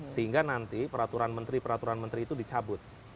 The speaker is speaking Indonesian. sehingga nanti peraturan menteri peraturan menteri itu dicabut